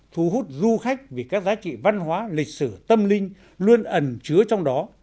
thu hút du khách vì các giá trị văn hóa lịch sử tâm linh luôn ẩn chứa trong đó